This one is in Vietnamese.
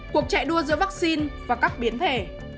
cuộc chạy đua giữa vắc xin và các biến thể